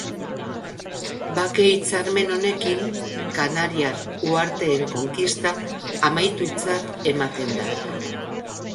Bake hitzarmen honekin, Kanariar uharteen konkista, amaitutzat ematen da.